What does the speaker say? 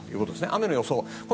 雨の予想。